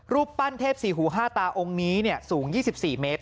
รูปปั้นเทพสี่หูห้าตาองค์นี้สูง๒๔เมตร